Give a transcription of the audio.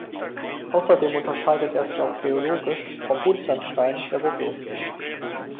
Außerdem unterscheidet er sich auch geologisch vom Buntsandstein der Vogesen.